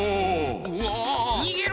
わ！にげろ！